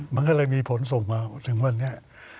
มันก็เลยมีผลส่งมาถึงวันนี้